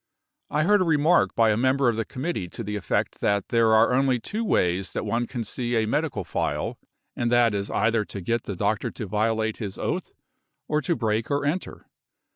I heard a remark by a mem ber of the committee to the effect that there are only two ways that one can see a medical file, and that is either to get the doctor to violate his oath or to break or enter.